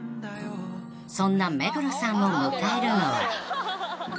［そんな目黒さんを迎えるのは］